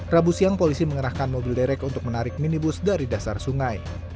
rabu siang polisi mengerahkan mobil derek untuk menarik minibus dari dasar sungai